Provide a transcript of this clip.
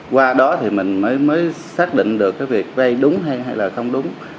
qua đó mình mới xác định được việc vay đúng hay không đúng